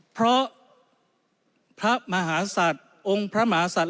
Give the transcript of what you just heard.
เพราะพระมหาสัตว์องค์พระมหาสัตว์